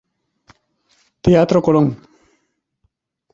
Teatro Colón.